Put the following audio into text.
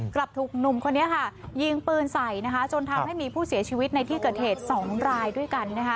กลับถูกหนุ่มคนนี้ค่ะยิงปืนใส่นะคะจนทำให้มีผู้เสียชีวิตในที่เกิดเหตุ๒รายด้วยกันนะคะ